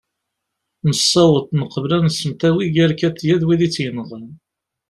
nessaweḍ neqbel ad nsemtawi gar katia d wid i tt-yenɣan